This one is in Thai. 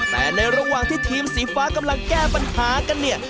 แต่ในระหว่างที่ทีมสีฟ้ากำลังแก้ปัญหากันเนี่ย